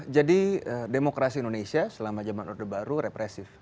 jadi demokrasi indonesia selama jaman order baru represif